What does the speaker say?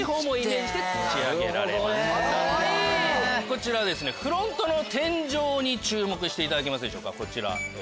こちらフロントの天井に注目していただけますか。